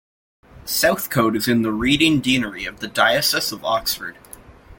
Southcote is in the Reading Deanery of the Diocese of Oxford.